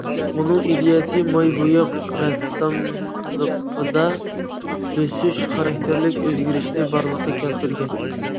ئۇنىڭ ئىدىيەسى ماي بوياق رەسساملىقىدا بۆسۈش خاراكتېرلىك ئۆزگىرىشنى بارلىققا كەلتۈرگەن.